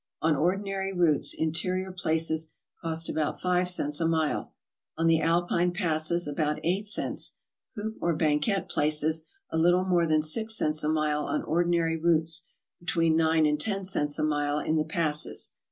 On ordi nary routes interieur places cost about 5 cents a mile; on the Alpine passes, about 8 cents; coupe or banquette places, a little more than six cents a mile on ordinary routes, between 9 and 10 cents a mite in the passes.